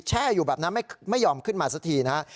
แช่อยู่แบบนั้นไม่ยอมขึ้นมาสักทีนะฮะ